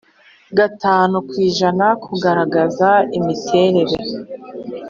gatanu ku ijana kugaragaza imiterere